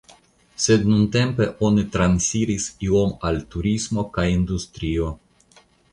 Sed nuntempe oni transiris iome al turismo kaj industrio.